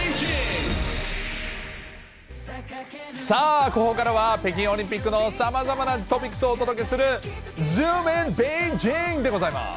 さあ、ここからは北京オリンピックのさまざまなトピックスをお届けする、ズームイン！！